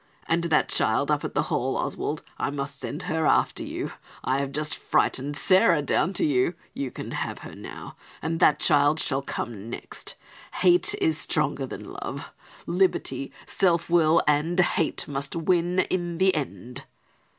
And that child up at the Hall, Oswald, I must send her after you. I have just frightened Sarah down to you. You can have her now, and that child shall come next. Hate is stronger than love. Liberty, self will and hate must win in the end."